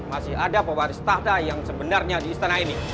masih ada pewaris tahta yang sebenarnya di istana ini